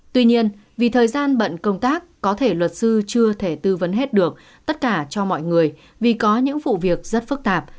tuy nhiên vì thời gian bận công tác có thể luật sư chưa thể tư vấn hết được tất cả cho mọi người vì có những vụ việc rất phức tạp